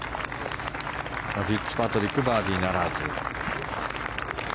フィッツパトリックバーディーならず。